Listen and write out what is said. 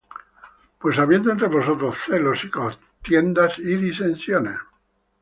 pues habiendo entre vosotros celos, y contiendas, y disensiones,